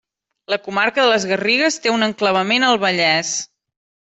La comarca de les Garrigues té un enclavament al Vallès.